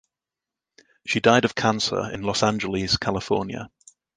She died of cancer in Los Angeles, California.